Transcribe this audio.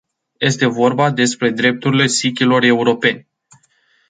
Este vorba despre drepturile sikhilor europeni.